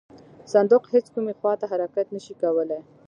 صندوق هیڅ کومې خواته حرکت نه شي کولی.